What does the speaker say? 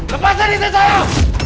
lepaskan diri saya